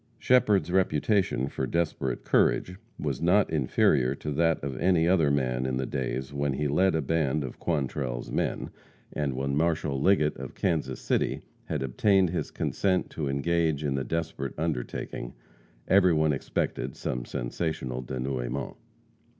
Shepherd's reputation for desperate courage was not inferior to that of any other man in the days when he led a band of Quantrell's men, and when Marshal Liggett, of Kansas City, had obtained his consent to engage in the desperate undertaking, everyone expected some sensational denouement.